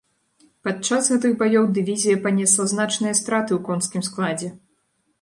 Пад час гэтых баёў дывізія панесла значныя страты ў конскім складзе.